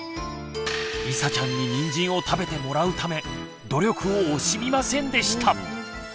りさちゃんににんじんを食べてもらうため努力を惜しみませんでした。